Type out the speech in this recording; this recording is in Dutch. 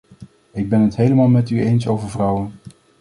Ik ben het helemaal met u eens over vrouwen.